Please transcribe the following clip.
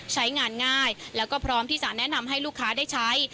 ใช้งานง่ายและพร้อมได้แนะนำให้ลูกค้าใช้